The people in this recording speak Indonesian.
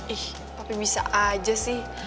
ih tapi bisa aja sih